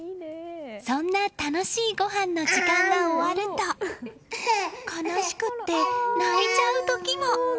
そんな楽しいごはんの時間が終わると悲しくって、泣いちゃう時も。